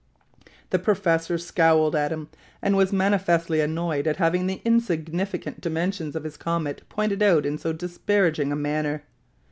The professor scowled at him, and was manifestly annoyed at having the insignificant dimensions of his comet pointed out in so disparaging a manner.